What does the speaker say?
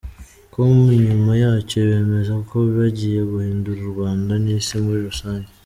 com nyuma yacyo bemeza ko bagiye guhindura u Rwanda n'isi muri rusange.